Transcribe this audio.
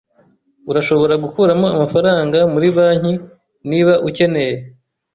Urashobora gukuramo amafaranga muri banki, niba ukeneye.